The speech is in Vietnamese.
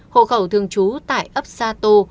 hộ khẩu thường trú tại ấp sa tô